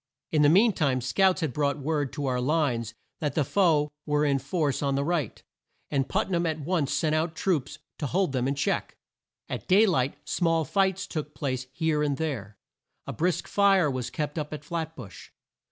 In the mean time scouts had brought word to our lines that the foe were in force on the right, and Put nam at once sent out troops to hold them in check. At day light small fights took place here and there. A brisk fire was kept up at Flat bush.